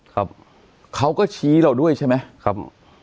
ครับเขาก็ชี้เราด้วยใช่ไหมครับ